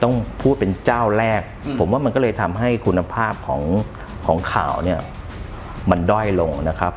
ต้องพูดเป็นเจ้าแรกผมว่ามันก็เลยทำให้คุณภาพของข่าวเนี่ยมันด้อยลงนะครับ